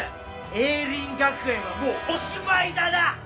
栄林学園はもうおしまいだな！